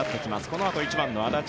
このあと、１番の安達。